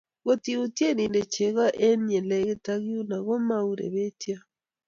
Ngot iyutye inte chego eng ye lekit ak yuno komourebetyo.